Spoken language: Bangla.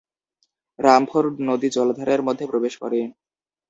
রামফোর্ড নদী জলাধারের মধ্যে প্রবেশ করে।